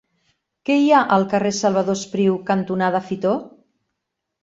Què hi ha al carrer Salvador Espriu cantonada Fitor?